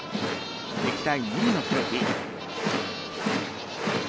歴代２位の記録。